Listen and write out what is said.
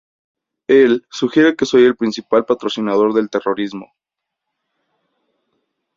Él sugiere que soy el principal patrocinador del terrorismo.